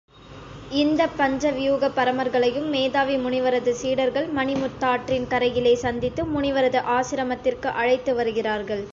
இந்தப் பஞ்ச வியூகப் பரமர்களையும் மேதாவி முனிவரது சீடர்கள் மணிமுத்தாற்றின் கரையிலே சந்தித்து முனிவரது ஆசிரமத்திற்கு அழைத்து வருகிறார்கள்.